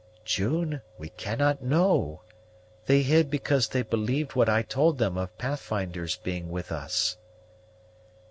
"June, we cannot know. They hid because they believed what I told them of Pathfinder's being with us."